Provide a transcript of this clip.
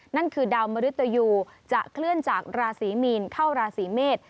ดาวมริตยูจะเคลื่อนจากราศีมีนเข้าราศีเมษ